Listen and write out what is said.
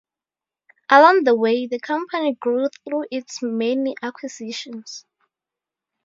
Along the way, the company grew through its many acquisitions.